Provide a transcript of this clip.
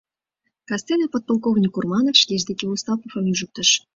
...Кастене подполковник Урманов шкеж деке Остаповым ӱжыктыш.